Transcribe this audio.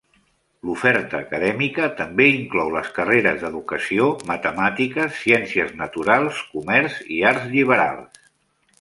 L'oferta acadèmica també inclou les carrers d'educació, matemàtiques, ciències naturals, comerç i arts lliberals.